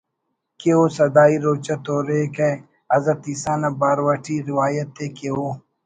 کہ او سدائی روچہ توریکہ حضرت عیسیٰ ؑ نا بارو اٹی روایت ءِ کہ او